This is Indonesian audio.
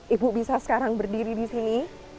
ibu bisa sekarang berdiri di sini